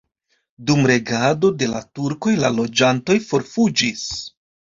Dum regado de la turkoj la loĝantoj forfuĝis.